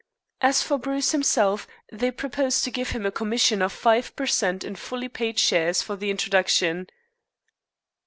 As for Bruce himself, they proposed to give him a commission of five per cent in fully paid shares for the introduction.